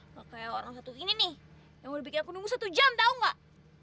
kalau kayak orang satu ini nih yang udah bikin aku nunggu satu jam tau gak